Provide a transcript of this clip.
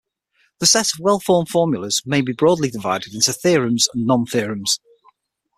The set of well-formed formulas may be broadly divided into theorems and non-theorems.